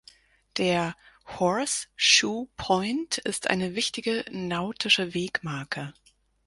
Der "Horseshoe Point" ist eine wichtige nautische Wegmarke.